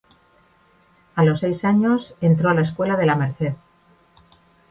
A los seis años entró a la escuela La Merced.